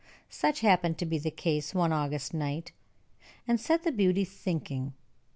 Such happened to be the case one August night, and set the beauty thinking.